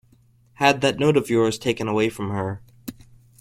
Had that note of yours taken away from her.